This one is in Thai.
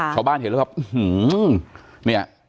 ชาวบ้านเห็นแล้วแบบอื้อหือเนี่ย